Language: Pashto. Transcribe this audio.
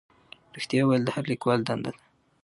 رښتیا ویل د هر لیکوال دنده ده.